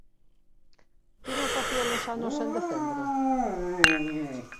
Ti non facía-los anos en decembro?